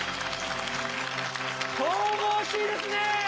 神々しいですね。